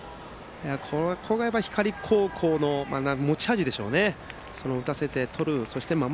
ここが光高校の持ち味でしょうね。